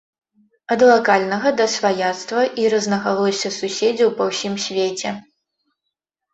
Ад лакальнага да сваяцтва і рознагалосся суседзяў па ўсім свеце.